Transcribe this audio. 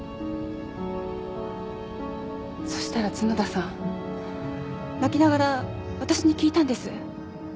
そしたら角田さん泣きながらわたしに聞いたんです。